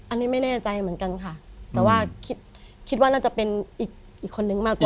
อันนี้ไม่แน่ใจเหมือนกันค่ะแต่ว่าคิดคิดว่าน่าจะเป็นอีกคนนึงมากกว่า